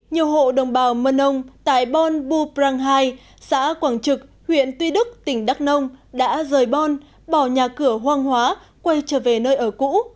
nhiều hộ đồng bào mân âu tại bon buprang hai xã quảng trực huyện tuy đức tỉnh đắk nông đã rời bon bỏ nhà cửa hoang hóa quay trở về nơi ở cũ